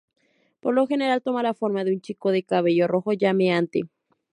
Por lo general toma la forma de un chico de cabello rojo llameante.